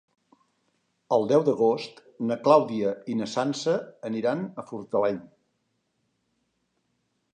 El deu d'agost na Clàudia i na Sança aniran a Fortaleny.